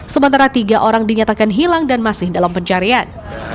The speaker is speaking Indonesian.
sementara tiga orang dinyatakan hilang dan masih dalam pencarian